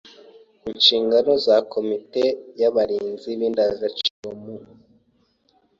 e. Inshingano za komite y’Abarinzi b’Indangagaciro mu